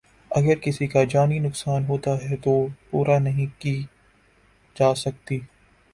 اگر کسی کا جانی نقصان ہوتا ہے تو پورا نہیں کی جا سکتی